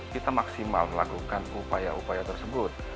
kita maksimal melakukan upaya upaya tersebut